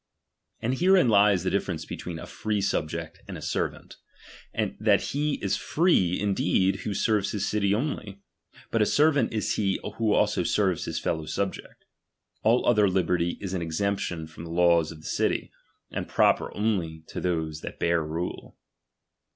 And herein lies the difference between a Jree ■Subject and a servant, that he is/ree indeed, who ^^ serves his city only ; but a servant is he, who also ^H serves his fellow subject. All other liberty is an ^^B exemption from the laws of the city, and proper ^^^ only to those that bear rule.